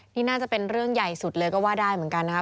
นี่น่าจะเป็นเรื่องใหญ่สุดเลยก็ว่าได้เหมือนกันนะครับ